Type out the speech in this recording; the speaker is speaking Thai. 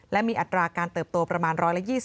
และมีอัตราการเติบโตประมาณ๑๒๐